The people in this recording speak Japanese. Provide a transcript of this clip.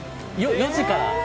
４時から？